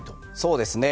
そうですね。